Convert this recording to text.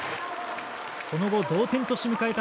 その後、同点とし迎えた